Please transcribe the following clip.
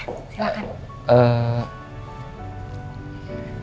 oh ya silahkan